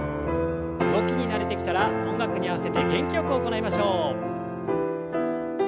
動きに慣れてきたら音楽に合わせて元気よく行いましょう。